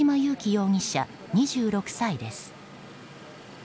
容疑者、２６歳です。